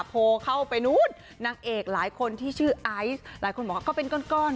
โพลเข้าไปนู้นนางเอกหลายคนที่ชื่อไอซ์หลายคนบอกว่าก็เป็นก้อน